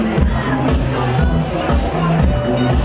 ไม่ต้องถามไม่ต้องถาม